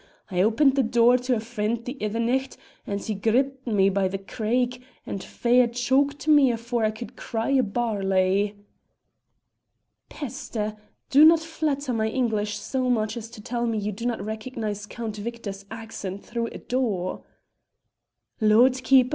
I opened the door to a frien' the ither nicht and he gripped me by the craig and fair choked me afore I could cry a barley." "Peste! Do not flatter my English so much as to tell me you do not recognise Count Victor's accent through a door." "Lord keep 's!"